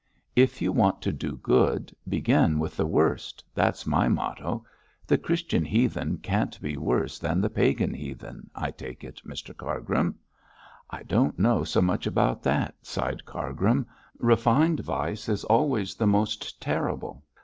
If you want to do good begin with the worst; that's my motto. The Christian heathen can't be worse than the Pagan heathen, I take it, Mr Cargrim.' 'I don't know so much about that,' sighed Cargrim. 'Refined vice is always the most terrible.